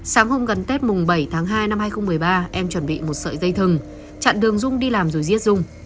sáng hôm gần tết mùng bảy tháng hai năm hai nghìn một mươi ba em chuẩn bị một sợi dây thừng chặn đường dung đi làm rồi giết dung